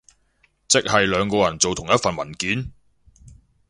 即係兩個人做咗同一份文件？